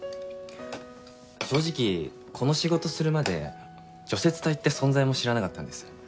正直この仕事するまで除雪隊って存在も知らなかったんです。